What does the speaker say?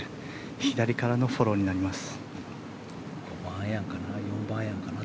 左からのフォローになります。